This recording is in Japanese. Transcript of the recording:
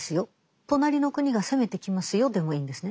「隣の国が攻めてきますよ」でもいいんですね。